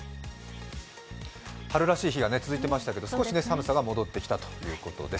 春らしい日が続いてましたが、少し寒さが戻ってきたということです。